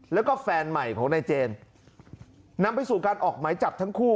แล้วก็แฟนใหม่ของนายเจนนำไปสู่การออกหมายจับทั้งคู่